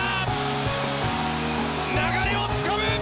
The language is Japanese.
流れをつかむ！